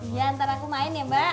iya ntar aku main ya mbak